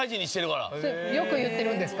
よく言ってるんですか？